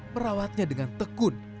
merawatnya dengan tekun